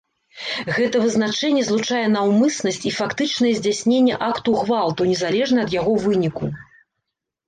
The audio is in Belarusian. Гэта вызначэнне злучае наўмыснасць і фактычныя здзяйсненне акту гвалту, незалежна ад яго выніку.